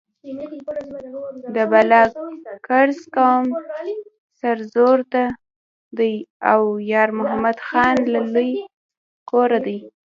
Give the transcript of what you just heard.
د بالاکرز قیوم سرزوره دی او یارمحمد خان له لوی کوره دی.